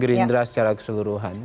gerindra secara keseluruhan